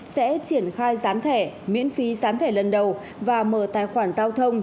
sẽ triển khai sán thẻ miễn phí sán thẻ lần đầu và mở tài khoản giao thông